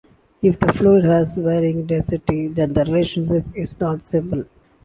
If the fluid has varying density, then the relationship is not simple.